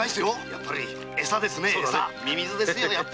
やっぱりエサですねミミズですよ！